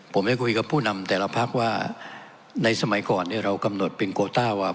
ผมได้คุยกับผู้นำแต่ละพักว่าในสมัยก่อนเนี่ยเรากำหนดเป็นโคต้าว่า